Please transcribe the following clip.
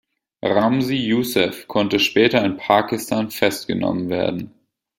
Ramzi Yousef konnte später in Pakistan festgenommen werden.